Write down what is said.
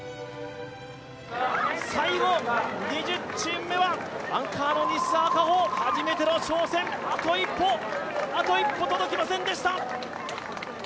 最後２０チーム目はアンカーの西澤果穂、初めての挑戦、あと一歩、あと一歩届きませんでした。